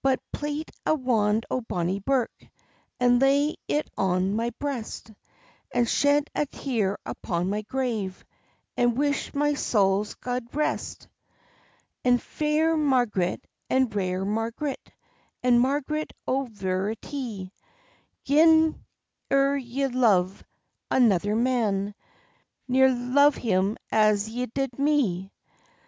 "But plait a wand o' bonnie birk, And lay it on my breast; And shed a tear upon my grave, And wish my saul gude rest. "And fair Marg'ret, and rare Marg'ret, And Marg'ret, o' veritie, Gin ere ye love another man, Ne'er love him as ye did me."